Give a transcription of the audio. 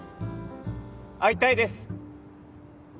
会いたいです。